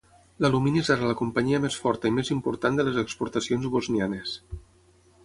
L'alumini és ara la companyia més forta i més important de les exportacions bosnianes.